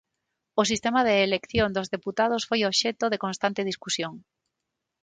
O sistema de elección dos deputados foi obxecto de constante discusión.